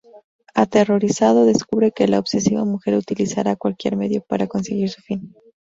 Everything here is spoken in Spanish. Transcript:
Aterrorizado, descubre que la obsesiva mujer utilizará cualquier medio para conseguir su fin.